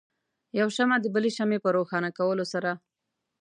یو شمع د بلې شمعې په روښانه کولو سره.